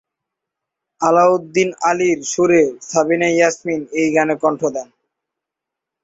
আলাউদ্দিন আলীর সুরে সাবিনা ইয়াসমিন এই গানে কণ্ঠ দেন।